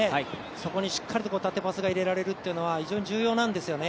そこにしっかり縦パスが入れられるというのは非常に重要なんですよね。